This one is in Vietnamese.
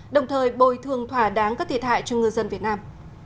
đồng thời bồi thường thỏa đáng các thiệt hại cho ngư dân việt nam